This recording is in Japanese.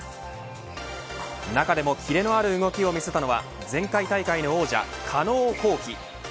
中でもきれのある動きを見せたのは前回大会の王者、加納虹輝。